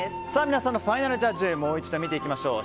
皆さんのファイナルジャッジもう一度見ていきましょう。